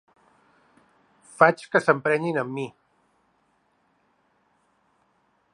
Faig que s'emprenyin amb mi.